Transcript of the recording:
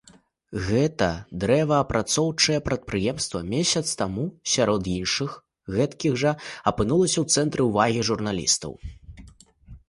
Гэтае дрэваапрацоўчае прадпрыемства месяц таму сярод іншых гэткіх жа апынулася ў цэнтры ўвагі журналістаў.